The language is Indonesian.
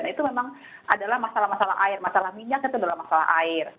itu memang adalah masalah masalah air masalah minyak itu adalah masalah air